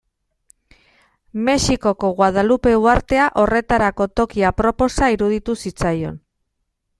Mexikoko Guadalupe uhartea horretarako toki aproposa iruditu zitzaion.